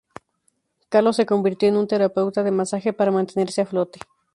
Carlos se convirtió en un terapeuta de masaje para mantenerse a flote.